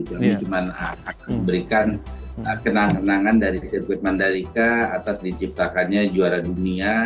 kami hanya memberikan kenangan kenangan dari sirkuit mandalika atas diciptakannya juara dunia